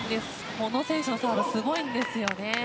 この選手のサーブ、すごいんです。